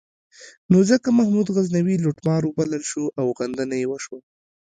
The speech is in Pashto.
نو ځکه محمود غزنوي لوټمار وبلل شو او غندنه یې وشوه.